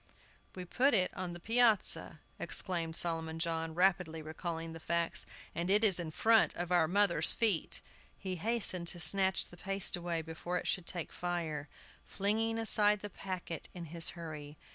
"We put it on the piazza," exclaimed Solomon John, rapidly recalling the facts, "and it is in front of our mother's feet!" He hastened to snatch the paste away before it should take fire, flinging aside the packet in his hurry.